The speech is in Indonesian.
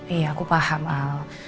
iya aku paham al